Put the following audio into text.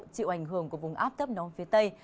chịu ảnh hưởng của vùng áp thấp nóng phía tây